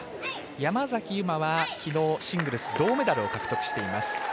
山崎悠麻はきのうシングルス銅メダルを獲得しています。